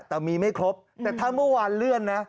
แต่มีไม่ครบแต่ถ้าเมื่อวานเลื่อนนะ